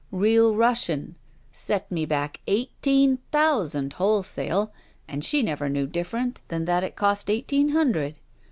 Real Russian. Set me back eighteen thousand, wholesale, and she never knew different than that it cost eighteen hundred.